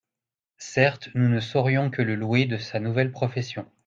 Certes, nous ne saurions que le louer de sa nouvelle profession.